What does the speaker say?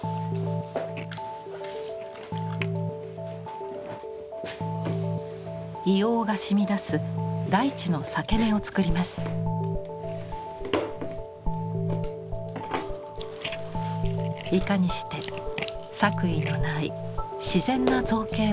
いかにして作為のない自然な造形を生み出せるか。